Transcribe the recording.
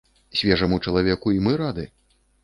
Свежаму чалавеку і мы рады.